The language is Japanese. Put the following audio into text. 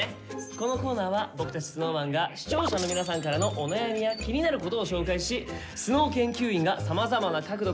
このコーナーは僕たちＳｎｏｗＭａｎが視聴者の皆さんからのお悩みや気になることを紹介しＳｎｏｗ研究員がさまざまな角度から分析。